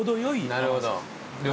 なるほどね。